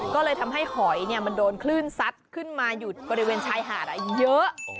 ก็เลยทำให้หอยมันโดนคลื่นซัดขึ้นมาอยู่บริเวณชายหาดเยอะ